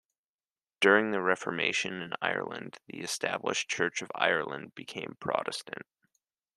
During the Reformation in Ireland, the established Church of Ireland became Protestant.